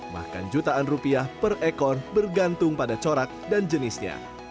bahkan jutaan rupiah per ekor bergantung pada corak dan jenisnya